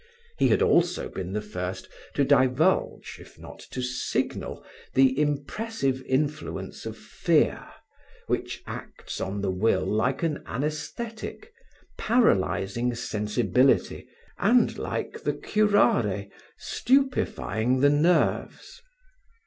He had also been the first to divulge, if not to signal the impressive influence of fear which acts on the will like an anaesthetic, paralyzing sensibility and like the curare, stupefying the nerves.